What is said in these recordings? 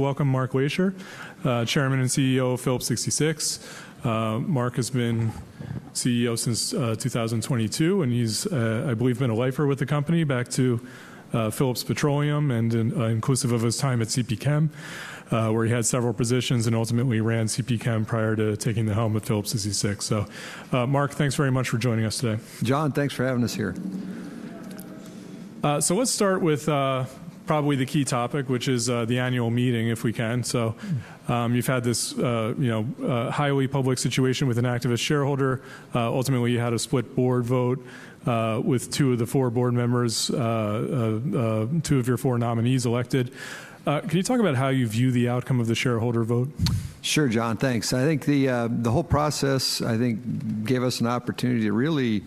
Welcome Mark Lashier, Chairman and CEO of Phillips 66. Mark has been CEO since 2022 and he has, I believe, been a lifer with the company back to Phillips Petroleum and inclusive of his time at CPChem, where he had several positions and ultimately ran CPChem prior to taking the helm of Phillips 66. Mark, thanks very much for joining us today. John, thanks for having us here. Let's start with probably the key topic, which is the annual meeting, if we can. You've had this, you know, highly public situation with an activist shareholder. Ultimately you had a split board vote with two of the four board members, two of your four nominees elected. Can you talk about how you view the outcome of the shareholder vote? Sure, John, thanks. I think the whole process gave us an opportunity to really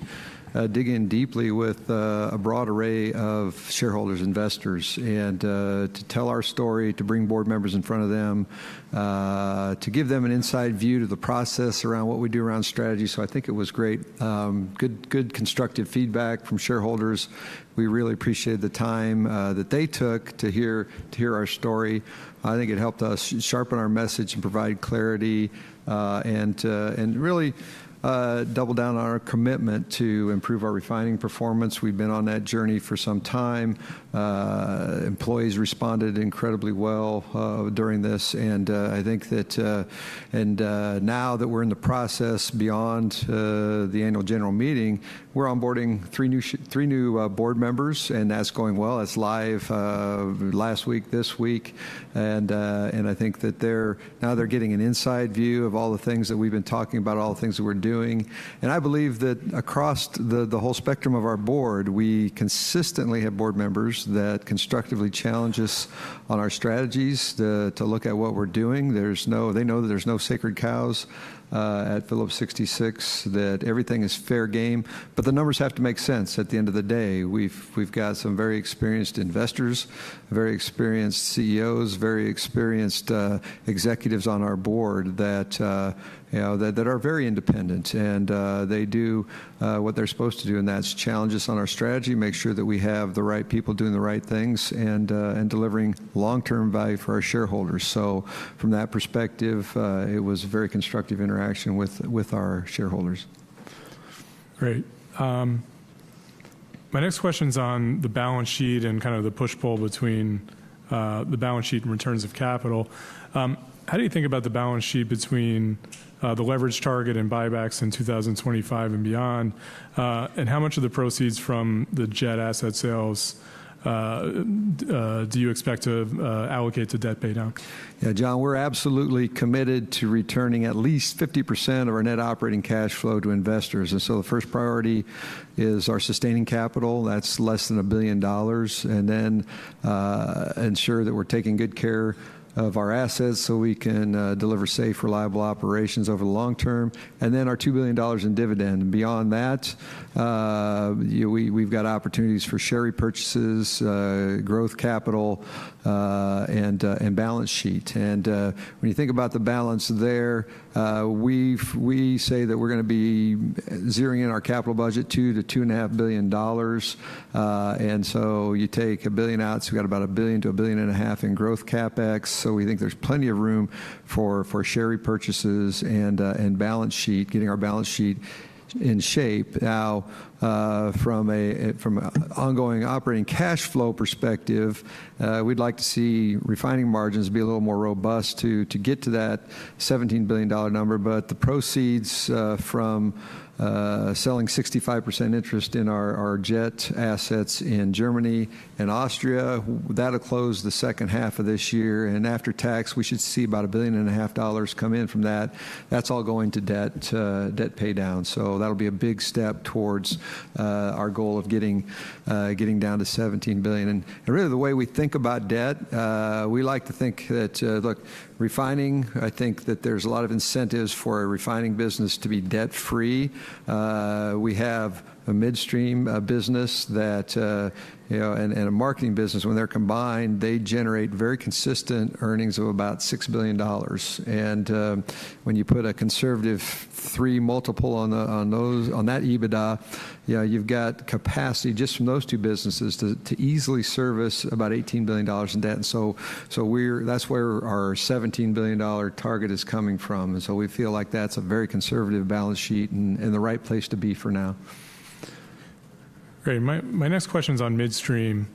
dig in deeply with a broad array of shareholders, investors and to tell our story, to bring board members in front of them, to give them an inside view to the process around what we do around strategy. I think it was great, good, constructive feedback from shareholders. We really appreciated the time that they took to hear our story. I think it helped us sharpen our message and provide clarity and really double down on our commitment to improve our refining performance. We've been on that journey for some time. Employees responded incredibly well during this. I think that, and now that we're in the process, beyond the annual general meeting, we're onboarding three new board members and that's going well. That's live last week, this week. I think that now they're getting an inside view of all the things that we've been talking about, all the things that we're doing. I believe that across the whole spectrum of our board, we consistently have board members that constructively challenge us on our strategies to look at what we're doing. They know there's no sacred cows at Phillips 66, that everything is fair game. The numbers have to make sense. At the end of the day, we've got some very experienced investors, very experienced CEOs, very experienced executives on our board that are very independent and they do what they're supposed to do and that's challenge us on our strategy, make sure that we have the right people doing the right things and delivering long-term value for our shareholders. From that perspective, it was very constructive interaction with our shareholders. Great. My next question is on the balance sheet and kind of the push pull between the balance sheet and returns of capital. How do you think about the balance sheet between the leverage target and buybacks in 2025 and beyond? How much of the proceeds from the jet asset sales do you expect to allocate to debt paydown? John, we're absolutely committed to returning at least 50% of our net operating cash flow to investors. The first priority is our sustaining capital, that's less than $1 billion, and then ensure that we're taking good care of our assets so we can deliver safe, reliable operations over the long term. Our $2 billion in dividend. Beyond that, we've got opportunities for share repurchases and balance sheet. When you think about the balance there, we say that we're going to be zeroing in our capital budget $2 billion-$2.5 billion. You take $1 billion out, so we've got about $1 billion-$1.5 billion in growth CapEx. We think there's plenty of room for share repurchases and balance sheet. Getting our balance sheet in shape. Now from an ongoing operating cash flow perspective, we'd like to see refining margins be a little more robust to get to that $17 billion number. The proceeds from selling 65% interest in our JET assets in Germany and Austria, that'll close the second half of this year. After tax we should see about $1.5 billion come in from that. That's all going to debt paydown. That'll be a big step towards our goal of getting down to $17 billion. Really the way we think about debt, we like to think that, look, refining, I think that there's a lot of incentives for a refining business to be debt-free. We have a midstream business and a marketing business. When they're combined, they generate very consistent earnings of about $6 billion. When you put a conservative three multiple on that EBITDA, you've got capacity just from those two businesses to easily service about $18 billion in debt. So that's $17 billion target is coming from. We feel like that's a very conservative balance sheet and the right place to be for now. Great. My next question is on midstream.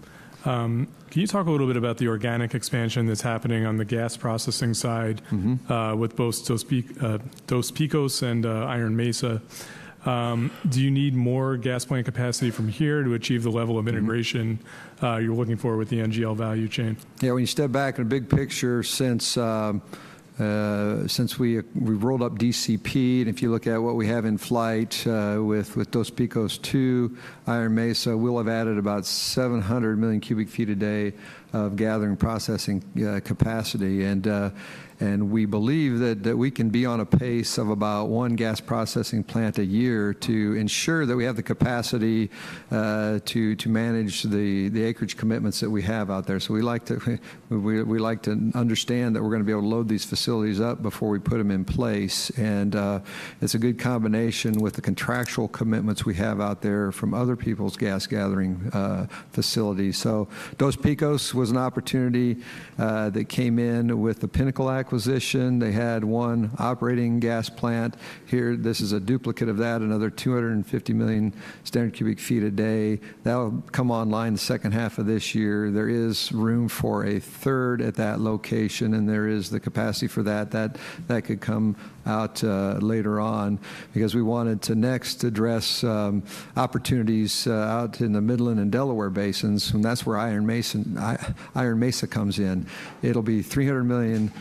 Can you talk a little bit about the organic expansion that's happening on the gas processing side with both Dos Picos and Iron Mesa? Do you need more gas plant capacity from here to achieve the level of integration you're looking for with the NGL value chain? Yeah. When you step back in a big picture since we rolled up DCP and if you look at what we have in flight, with Dos Picos II, Iron Mesa, we'll have added about 700 million cubic feet a day of gathering processing capacity. We believe that we can be on a pace of about one gas processing plant a year to ensure that we have the capacity to manage the acreage commitments that we have out there. We like to understand that we're going to be able to load these facilities up before we put them in place. It's a good combination with the contractual commitments we have out there from other people's gas gathering facilities. Dos Picos was an opportunity that came in with the Pinnacle acquisition. They had one operating gas plant here. This is a duplicate of that. Another 250 million standard cubic feet a day that will come online second half of this year. There is room for a third at that location, and there is the capacity for that that could come out later on, because we wanted to next address opportunities out in the Midland and Delaware basins. That is where Iron Mesa comes in. It'll be 300 million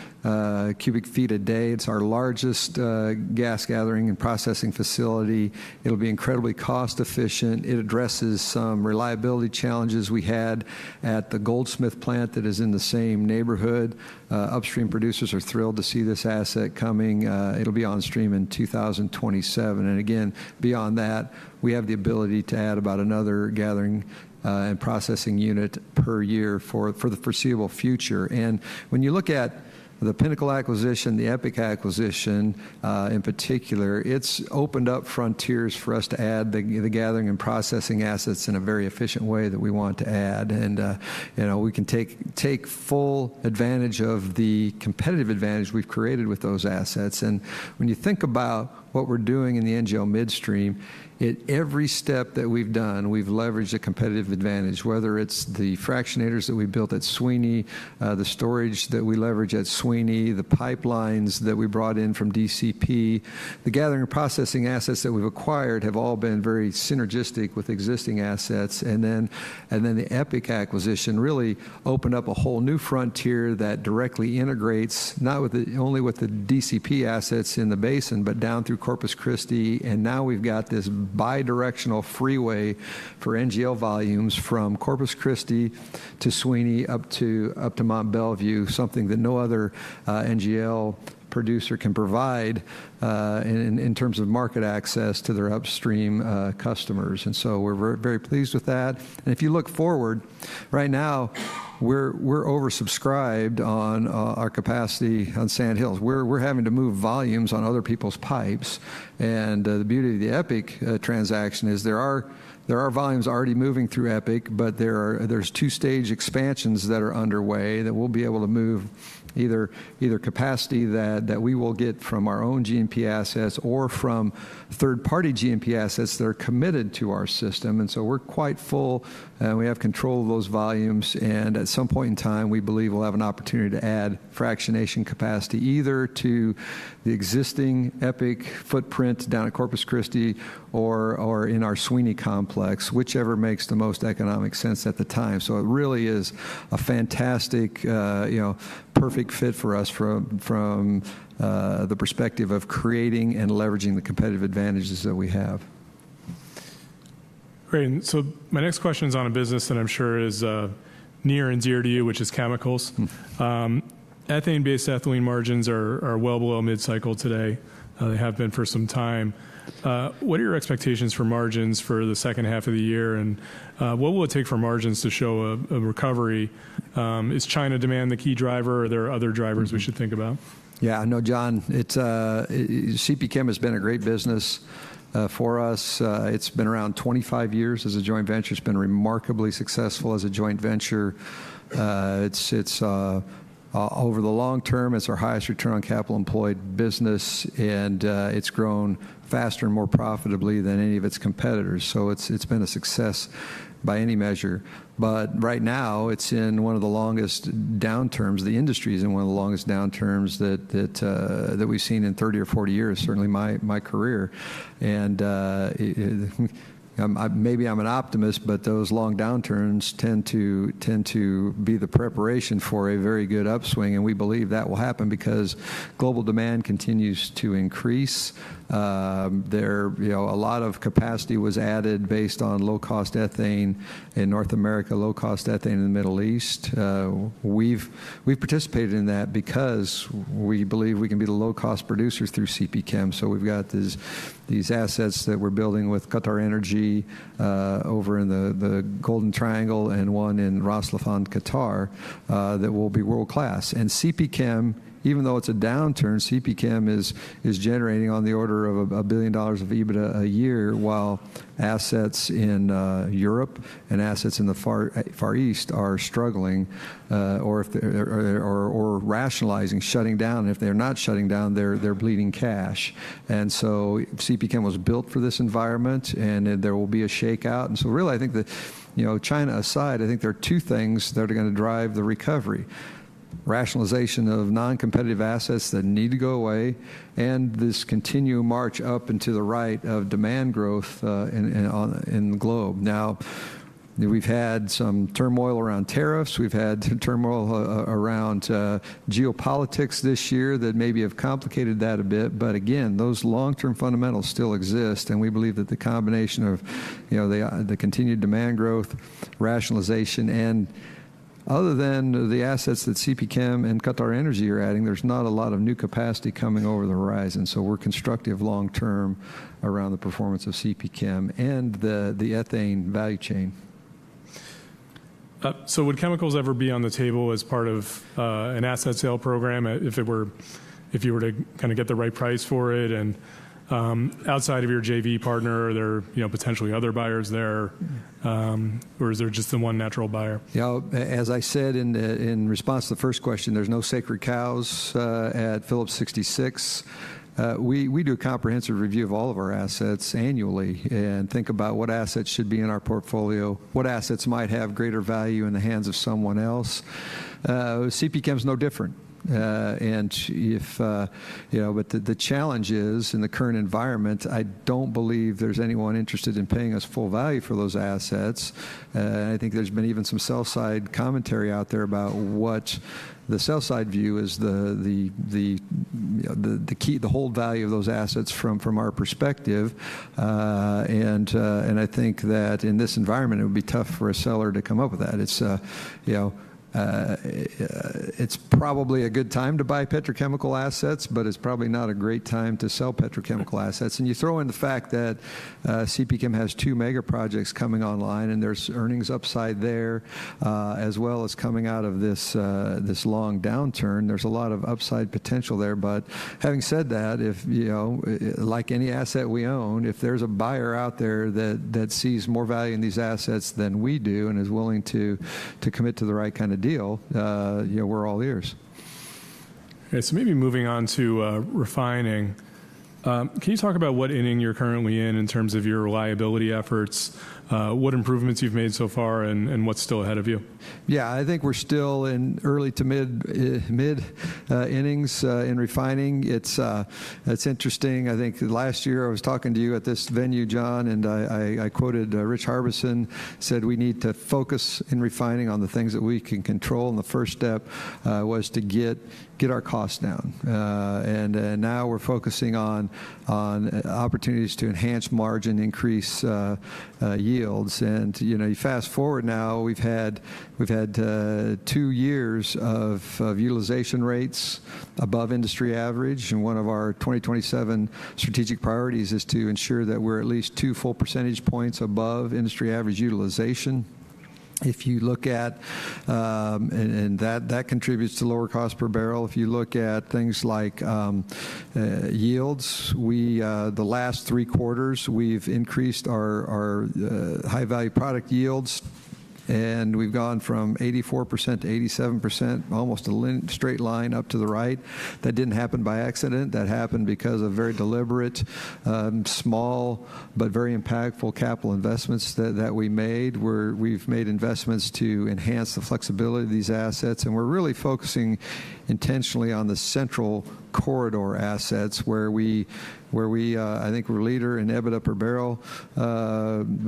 cubic feet a day. It's our largest gas gathering and processing facility. It'll be incredibly cost efficient. It addresses some reliability challenges. We at the Goldsmith plant that is in the same neighborhood, upstream producers, are thrilled to see this asset coming. It'll be on stream in 2027. Again beyond that, we have the ability to add about another gathering and processing unit per year for the foreseeable future. When you look at the Pinnacle acquisition, the EPIC acquisition in particular, it has opened up frontiers for us to add the gathering and processing assets in a very efficient way that we want to add, and we can take full advantage of the competitive advantage we have created with those assets. When you think about what we are doing in the NGL midstream, at every step that we have done, we have leveraged a competitive advantage, whether it is the fractionators that we built at Sweeny, the storage that we leverage at Sweeny, the pipelines that we brought in from DCP, the gathering processing assets that we have acquired have all been very synergistic with existing assets. The EPIC acquisition really opened up a whole new frontier that directly integrates, not only with the DCP assets in the basin, but down through Corpus Christi. We have this bidirectional freeway for NGL volumes from Corpus Christi to Sweeny up to Mont Belvieu, something that no other NGL producer can provide in terms of market access to their upstream customers. We are very pleased with that. If you look forward right now, we are oversubscribed on our capacity on Sandhills. We are having to move volumes on other people's pipes. The beauty of the EPIC transaction is there are volumes already moving through EPIC, but there are two stage expansions that are underway that we will be able to move either capacity that we will get from our own GMP assets or from third party GMP assets that are committed to our system. We are quite full. We have control of those volumes. At some point in time we believe we'll have an opportunity to add fractionation capacity either to the existing EPIC footprint down at Corpus Christi or in our Sweeny complex, whichever makes the most economic sense at the time. It really is a fantastic, you know, perfect fit for us from the perspective of creating and leveraging the competitive advantages that we have. Great. So my next question is on a business that I'm sure is near and dear to you, which is chemicals. Ethane-based ethylene margins are well below mid cycle today. They have been for some time. What are your expectations for margins for the second half of the year and what will it take for margins to show a recovery? Is China demand the key driver? Are there other drivers we should think about? Yeah, no, John. CPChem has been a great business for us. It's been around 25 years as a joint venture. It's been remarkably successful as a joint venture over the long term, it's our highest return on capital employed business and it's grown faster and more profitably than any of its competitors. It's been a success by any measure. Right now it's in one of the longest downturns. The industry is in one of the longest downturns that we've seen in 30 or 40 years. Certainly my career and maybe I'm an optimist, but those long downturns tend to be the preparation for a very good upswing. We believe that will happen because global demand continues to increase. A lot of capacity was added based on low-cost ethane in North America, low-cost ethane in the Middle East. We've participated in that because we believe we can be the low cost producers through CPChem. We've got these assets that we're building with QatarEnergy over in the Golden Triangle and one in Ras Laffan, Qatar that will be world class. And CPChem, even though it's a downturn, CPChem is generating on the order of $1 billion of EBITDA a year while assets in Europe and assets in the Far East are struggling or rationalizing shutting down. If they're not shutting down, they're bleeding cash. CPChem was built for this environment and there will be a shakeout. Really, I think that, you know, China aside, I think there are two things that are going to drive the recovery. Rationalization of non-competitive assets that need to go away and this continued march up and to the right of demand growth in the globe. Now we've had some turmoil around tariffs, we've had turmoil around geopolitics this year that maybe have complicated that a bit. Those long-term fundamentals still exist. We believe that the combination of the continued demand growth rationalization and, other than the assets that CPChem and QatarEnergy are adding, there's not a lot of new capacity coming over the horizon. We're constructive long term around the performance of CPChem and the ethane value chain. Would chemicals ever be on the table as part of an asset sale program? If it were, if you were to kind of get the right price for it and outside of your JV partner, are there potentially other buyers there or is there just the one natural buyer? As I said in response to the first question, there's no sacred cows at Phillips 66. We do a comprehensive review of all of our assets annually and think about what assets should be in our portfolio. What assets might have greater value in the hands of someone else. CPChem is no different. If you know, the challenge is in the current environment, I don't believe there's anyone interested in paying us full value for those assets. I think there's been even some sell side commentary out there about what the sell side view is, the key, the whole value of those assets from our perspective. I think that in this environment it would be tough for a seller to come up with that. It's probably a good time to buy petrochemical assets, but it's probably not a great time to sell petrochemical assets. You throw in the fact that CPChem has two mega projects coming online and there's earnings upside there as well as coming out of this long downturn, there's a lot of upside potential there. Having said that, like any asset we own, if there's a buyer out there that sees more value in these assets than we do and is willing to commit to the right kind of deal, we're all ears. Maybe moving on to refining, can you talk about what inning you're currently in, in terms of your reliability efforts, what improvements you've made so far and what's still ahead of you? Yeah, I think we're still in early-to-mid innings in refining. It's interesting. I think last year I was talking to you at this venue, John, and I quoted Rich Harbison said we need to focus in refining on the things that we can control. The first step was to get our costs down. Now we're focusing on opportunities to enhance margin, increase yields. You know, you fast forward now, we've had two years of utilization rates above industry average. One of our 2027 strategic priorities is to ensure that we're at least two full percentage points above industry average utilization. If you look at that, it contributes to lower cost per barrel. If you look at things like yields, the last three quarters we've increased our high value product yields and we've gone from 84% to 87%, almost a straight line up to the right. That didn't happen by accident. That happened because of very deliberate, small but very impactful capital investments that we made. We've made investments to enhance the flexibility of these assets. We're really focusing intentionally on the central corridor assets where we, I think we're leader in EBITDA per barrel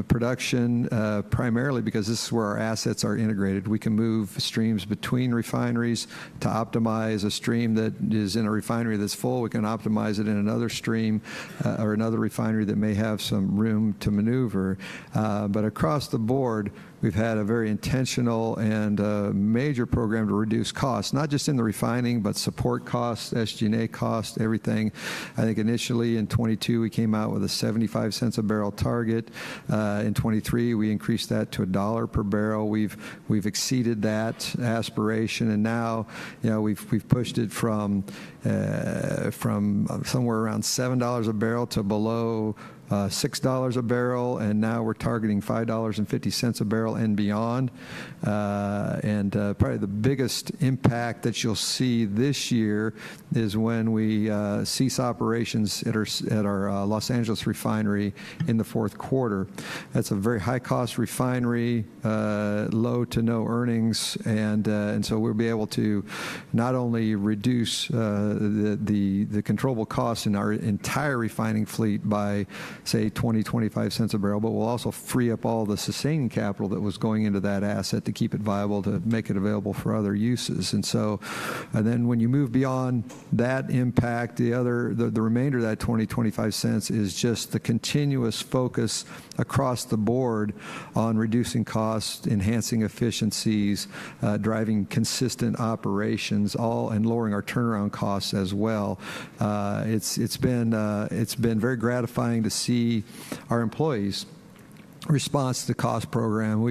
production primarily because this is where our assets are integrated. We can move streams between refineries to optimize a stream that is in a refinery that's full. We can optimize it in another stream or another refinery that may have some room to maneuver. Across the board we've had a very intentional and major program to reduce costs not just in the refining, but support costs, SG&A costs, everything. I think initially in 2022 we came out with a $0.75 a barrel target. In 2023 we increased that to $1 per barrel. We've exceeded that aspiration and now we've pushed it from somewhere around $7 a barrel to below $6 a barrel. Now we're targeting $5.50 a barrel and beyond. Probably the biggest impact that you'll see this year is when we cease operations at our Los Angeles refinery in the fourth quarter. That's a very high cost refinery, low-to-no earnings. We will be able to not only reduce the controllable costs in our entire refining fleet by, say, $0.20-$0.25 a barrel, but we will also free up all the sustaining capital that was going into that asset to keep it viable, to make it available for other uses. When you move beyond that impact, the remainder of that $0.20-$0.25 cents is just the continuous focus across the board on reducing costs, enhancing efficiencies, driving consistent operations, and lowering our turnaround costs as well. It has been very gratifying to see our employees' response to the cost program.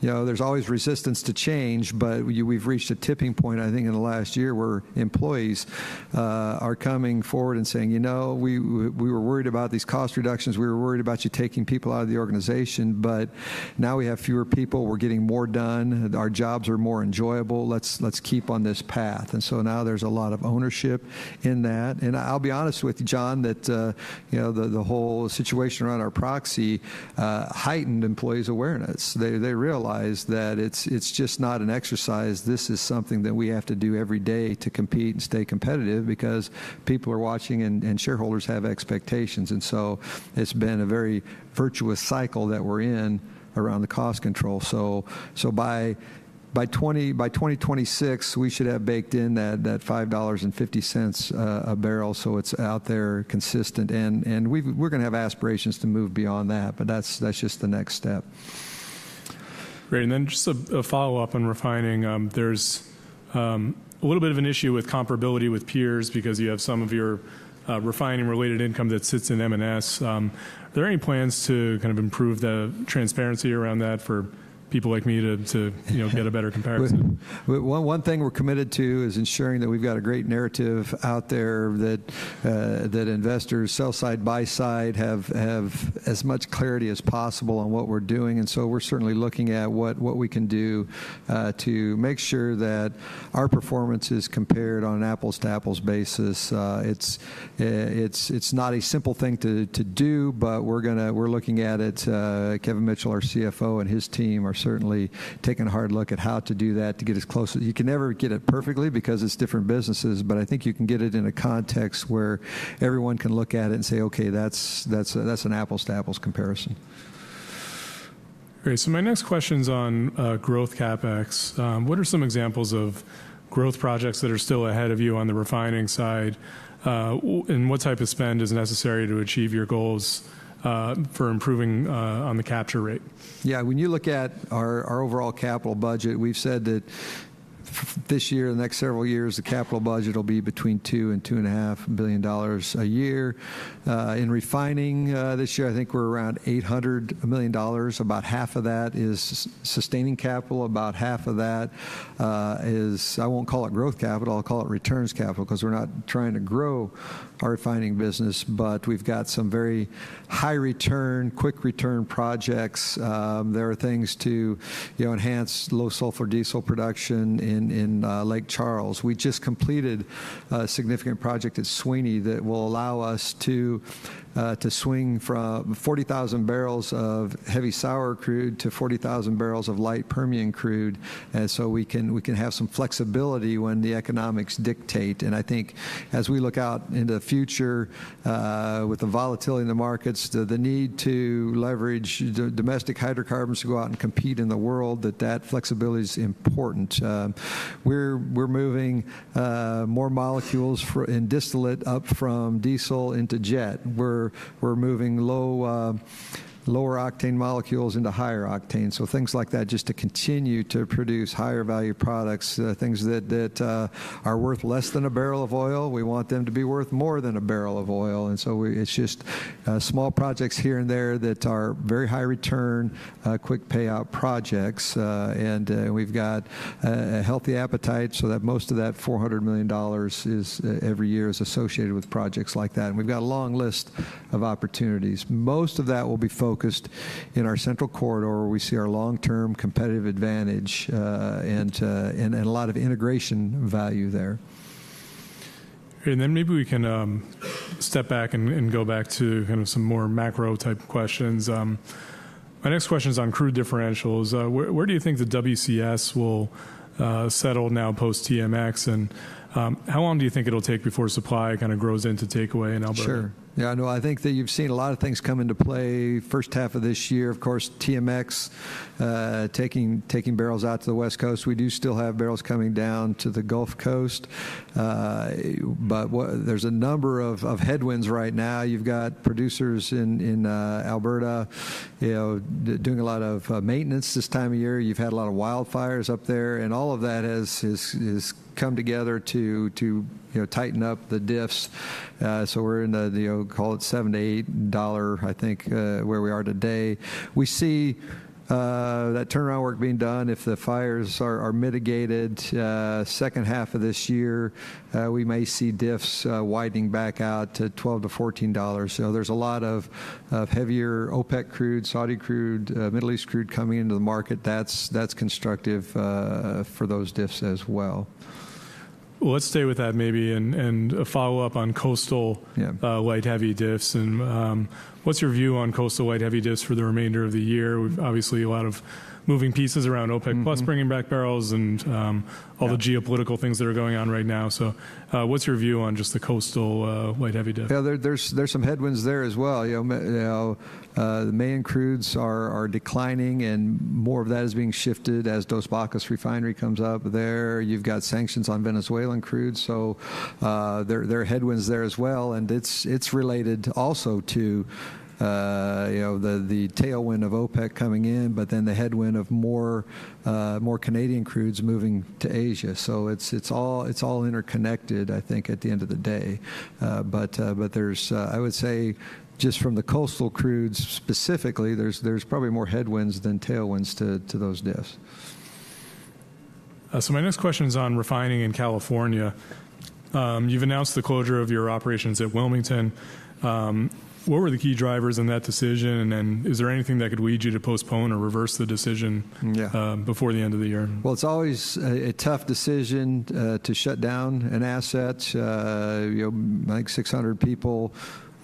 There is always resistance to change, but we have reached a tipping point, I think, in the last year where employees are coming forward and saying we were worried about these cost reductions, we were worried about you taking people out of the organization. Now we have fewer people, we're getting more done, our jobs are more enjoyable, let's keep on this path. There is a lot of ownership in that. I'll be honest with you, John, the whole situation around our proxy heightened employees' awareness. They realized that it's just not an exercise. This is something that we have to do every day to compete and stay competitive because people are watching and shareholders have expectations. It has been a very virtuous cycle that we're in around the cost control. By 2026 we should have baked in that $5.50 a barrel. It is out there consistent and we're going to have aspirations to move beyond that. That is just the next step. Great. Just a follow up on refining. There's a little bit of an issue with comparability with peers because you have some of your refining related income that sits in M&S. Are there any plans to kind of improve the transparency around that for people like me to get a better comparison? One thing we're committed to is ensuring that we've got a great narrative out there that investors, sell side, buy side, have as much clarity as possible on what we're doing. We are certainly looking at what we can do to make sure that our performance is compared on an apples to apples basis. It's not a simple thing to do, but we're looking at it. Kevin Mitchell, our CFO, and his team are certainly taking a hard look at how to do that to get as close. You can never get it perfectly because it's different businesses, but I think you can get it in a context where everyone can look at it and say, okay, that's an apples-to-apples comparison. Great. So my next question's on growth CapEx. What are some examples of growth projects that are still ahead of you on the refining side and what type of spend is necessary to achieve your goals for improving on the capture rate? Yeah. When you look at our overall capital budget, we've said that this year, the next several years, the capital budget will be between $2 billion-$2.5 billion a year in refining. This year I think we're around $800 million. About half of that is sustaining capital. About half of that is, I won't call it growth capital, I'll call it returns capital because we're not trying to grow our refining business, but we've got some very high-return, quick-return projects. There are things to enhance low-sulfur diesel production in Lake Charles. We just completed a significant project at Sweeny that will allow us to swing from 40,000 barrels of heavy sour crude to 40,000 barrels of light Permian crude. So we can have some flexibility when the economics dictate. I think as we look out into the future, with the volatility in the markets, the need to leverage domestic hydrocarbons to go out and compete in the world, that flexibility is important. We're moving more molecules in distillate up from diesel into jet. We're moving low, lower octane molecules into higher octane. Things like that just to continue to produce higher value products. Things that are worth less than a barrel of oil, we want them to be worth more than a barrel of oil. It is just small projects here and there that are very high return, quick payout projects. We've got a healthy appetite so that most of that $400 million every year is associated with projects like that. We've got a long list of opportunities. Most of that will be focused in our central corridor where we see our long term competitive advantage and a lot of integration value there. Maybe we can step back and go back to some more macro type questions. My next question is on crude differentials. Where do you think the WCS will settle now post TMX and how long do you think it'll take before supply kind of grows into takeaway in Alberta? Sure. Yeah. No, I think that you've seen a lot of things come into play. First half of this year, of course, TMX taking barrels out to the West Coast. We do still have barrels coming down to the Gulf Coast, but there's a number of headwinds right now. You've got producers in Alberta doing a lot of maintenance this time of year. You've had a lot of wildfires up there and all of that has come together to tighten up the diffs. So we're in, call it, $7-$8. I think where we are today we see that turnaround work being done. If the fires are mitigated second half of this year, we may see diffs widening back out to $12-$14. There's a lot of heavier OPEC crude, Saudi crude, Middle East crude coming into the market. That's constructive for those diffs as well. Let's stay with that maybe, and follow up on coastal light-heavy diffs. What's your view on coastal light-heavy diffs for the remainder of the year? Obviously, a lot of moving pieces around OPEC bringing back barrels and all the geopolitical things that are going on right now. What's your view on just the coastal light-heavy diffs? Yeah, there's some headwinds there as well. The Mayan crudes are declining and more of that is being shifted as Dos Picos refinery comes up there. You've got sanctions on Venezuelan crude. There are headwinds there as well. It's related also to the tailwind of OPEC coming in, but then the headwind of more Canadian crudes moving to Asia. It's all interconnected, I think, at the end of the day. I would say just from the coastal crude specifically, there's probably more headwinds than tailwinds to those diffs. My next question is on refining in California. You've announced the closure of your operations at Wilmington. What were the key drivers in that decision? Is there anything that could lead you to postpone or reverse the decision before the end of the year? It's always a tough decision to shut down an asset. You know, like 600 people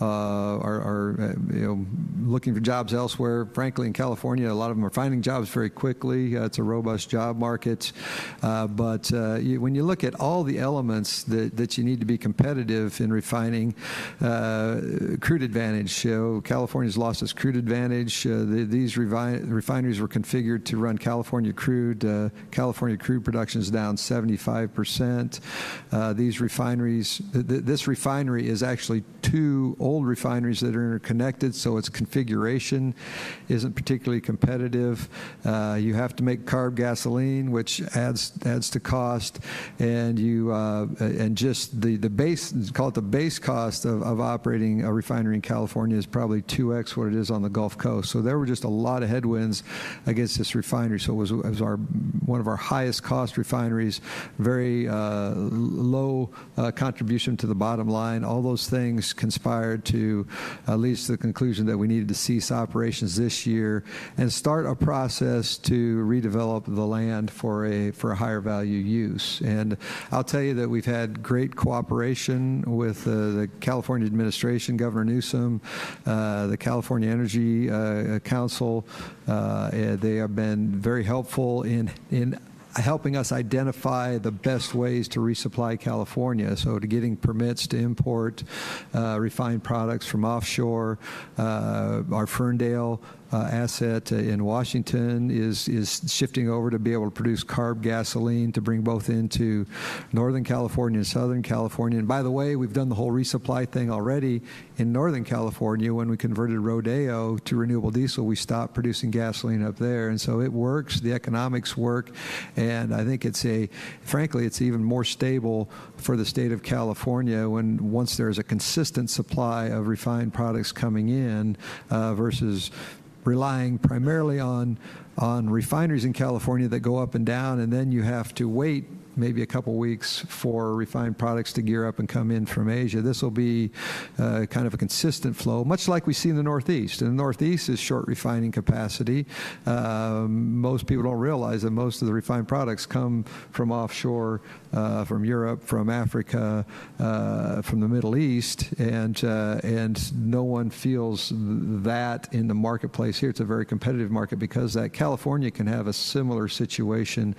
are looking for jobs elsewhere. Frankly, in California, a lot of them are finding jobs very quickly. It's a robust job market. When you look at all the elements that you need to be competitive in refining. Crude advantage. California's lost its crude advantage. These refineries were configured to run California crude. California crude production is down 75%. These refineries. This refinery is actually two old refineries that are interconnected. Its configuration isn't particularly competitive. You have to make CARB gasoline, which adds to cost. Just the base, call it the base cost of operating a refinery in California is probably 2x what it is on the Gulf Coast. There were just a lot of headwinds against this refinery. It was one of our highest cost refineries. Very low contribution to the bottom line. All those things conspired to lead us to the conclusion that we needed to cease operations this year and start a process to redevelop the land for a higher value use. I'll tell you that we've had great cooperation with the California administration, Governor Newsom, the California Energy Council. They have been very helpful in helping us identify the best ways to resupply California, to getting permits to import refined products from offshore. Our Ferndale asset in Washington is shifting over to be able to produce CARB gasoline to bring both into Northern California and Southern California. By the way, we've done the whole resupply thing already in Northern California. When we converted Rodeo to renewable diesel, we stopped producing gasoline up there. It works, the economics work, and I think it's a. Frankly, it's even more stable for the state of California when once there's a consistent supply of refined products coming in versus relying primarily on refineries in California that go up and down, and then you have to wait maybe a couple weeks for refined products to gear up and come in from Asia. This will be kind of a consistent flow, much like we see in the Northeast. The Northeast is short refining capacity. Most people don't realize that most of the refined products come from offshore, from Europe, from Africa, from the Middle East. No one feels that in the marketplace here. It's a very competitive market because California can have a similar situation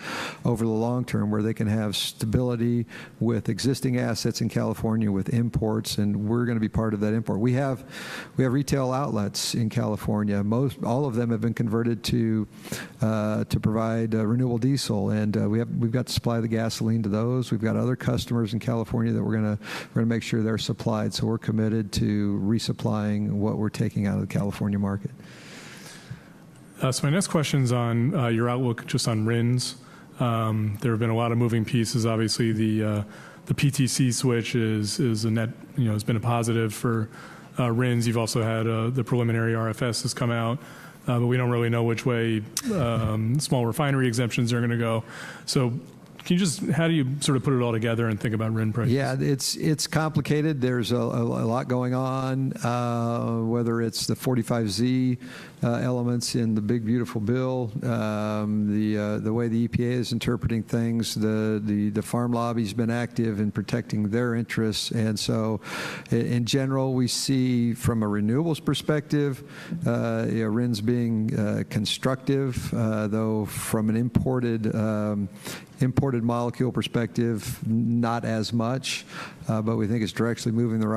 over the long term where they can have stability with existing assets in California, with imports. We're going to be part of that import. We have retail outlets in California. All of them have been converted to provide renewable diesel. We've got to supply the gasoline to those. We've got other customers in California that we're going to make sure they're supplied. We are committed to resupplying what we're taking out of the California market. My next question's on your outlook. Just on RINs. There have been a lot of moving pieces. Obviously the PTC switch has been a positive for RINs. You've also had the preliminary RFS has come out, but we don't really know which way small refinery exemptions are going to go. Can you just, how do you sort of put it all together and think about RIN prices? Yeah, it's complicated. There's a lot going on, whether it's the 45Z elements in the Big Beautiful Bill, the way the EPA is interpreting things. The farm lobby's been active in protecting their interests. In general, we see from a renewables perspective, RINs being constructive, though from an imported molecule perspective, not as much, but we think it's directionally moving the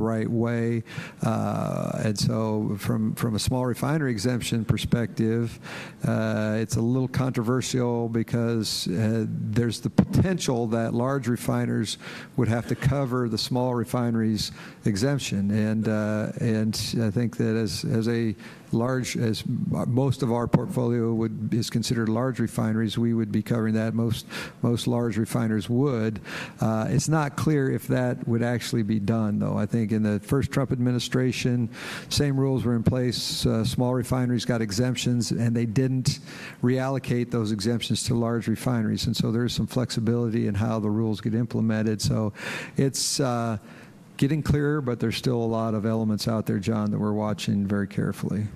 right way. From a small refinery exemption perspective, it's a little controversial because there's the potential that large refiners would have to cover the small refineries exemption. I think that as most of our portfolio is considered large refineries, we would be covering that, most large refineries would. It's not clear if that would actually be done though. I think in the first Trump administration, same rules were in place. Small refineries got exemptions and they did not reallocate those exemptions to large refineries. There is some flexibility in how the rules get implemented. It is getting clearer. There are still a lot of elements out there, John, that we are watching very carefully.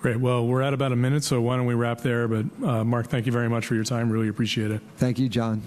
Great. We are at about a minute, so why do we not wrap there. Mark, thank you very much for your time. Really appreciate it. Thank you, John.